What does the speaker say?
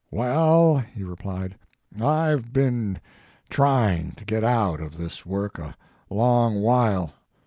" Well," he replied, "I ve been trying to get out of this work a long while.